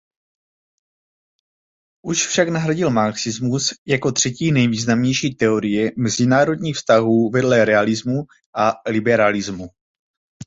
Už však nahradil marxismus jako třetí nejvýznamnější teorie mezinárodních vztahů vedle realismu a liberalismu.